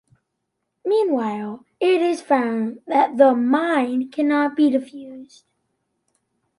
Meanwhile, it is found that the mine cannot be defused.